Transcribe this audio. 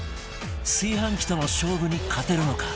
炊飯器との勝負に勝てるのか？